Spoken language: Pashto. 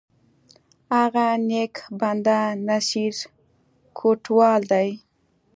هغه نیک بنده، نصیر کوټوال دی!